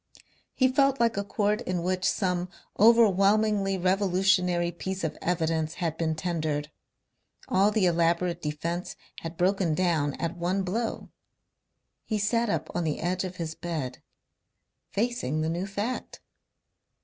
He felt like a court in which some overwhelmingly revolutionary piece of evidence had been tendered. All the elaborate defence had broken down at one blow. He sat up on the edge of his bed, facing the new fact.